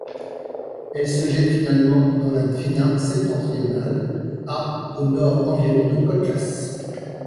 Elle se jette finalement dans la Dvina septentrionale à au nord environ de Kotlas.